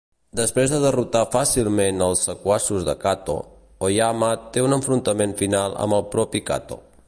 Després de derrotar fàcilment els sequaços de Kato, Oyama té un enfrontament final amb el propi Kato.